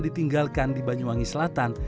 ditinggalkan di banyuwangi selatan